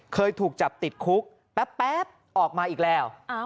เคยถูกจับติดคุกแป๊บออกมาอีกแล้ว